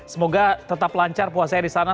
semoga tetap lancar puasanya disana